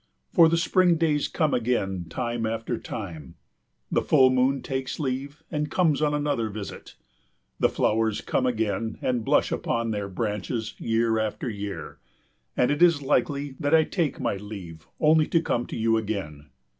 For the spring days come again time after time; the full moon takes leave and comes on another visit, the flowers come again and blush upon their branches year after year, and it is likely that I take my leave only to come to you again.